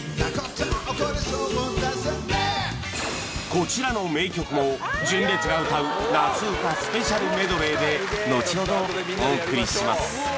こちらの名曲も純烈が歌う夏うたスペシャルメドレーでのちほどお送りします